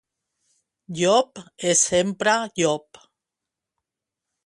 Llop és sempre llop.